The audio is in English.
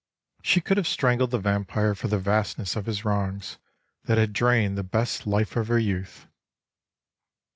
She could have strangled the vampire for the vastness of his wrongs, that had drained the best life of her youth.